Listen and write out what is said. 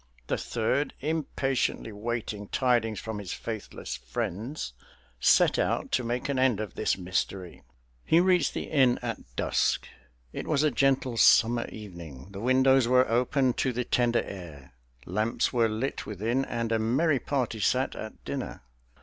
The third, impatiently waiting tidings from his faithless friends, set out to make an end of this mystery. He reached the inn at dusk: it was a gentle summer evening; the windows were open to the tender air; lamps were lit within, and a merry party sat at dinner.